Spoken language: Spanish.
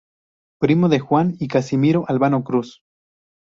Primo de Juan y Casimiro Albano Cruz.